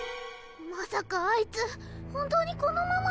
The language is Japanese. まさかあいつ本当にこのまま。